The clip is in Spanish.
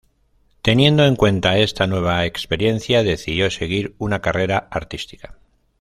Teniendo en cuenta esta nueva experiencia, decidió seguir una carrera artística.